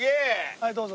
はいどうぞ。